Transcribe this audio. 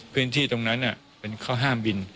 พื้นที่ตรงนั้นเป็นข้อห้ามบิน